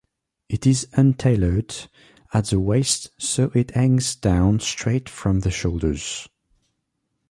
It is untailored at the waist so it hangs down straight from the shoulders.